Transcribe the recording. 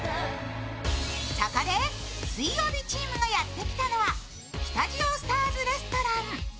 そこで水曜日チームがやってきたのはスタジオ・スターズ・レストラン。